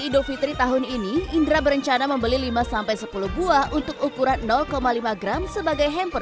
idul fitri tahun ini indra berencana membeli lima sampai sepuluh buah untuk ukuran lima gram sebagai hamper